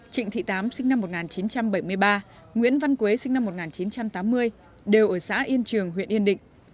trịnh thị tám sinh năm một nghìn chín trăm bảy mươi ba nguyễn văn quế sinh năm một nghìn chín trăm tám mươi đều ở xã yên trường huyện yên định